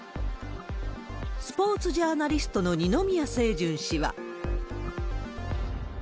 スポーツジャーナリストの二宮清純氏は。